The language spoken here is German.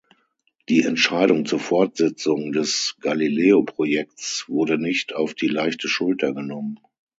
Die Entscheidung zur Fortsetzung des Galileo-Projekts wurde nicht auf die leichte Schulter genommen.